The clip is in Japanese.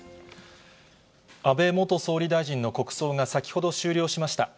安倍元総理大臣の国葬が先ほど終了しました。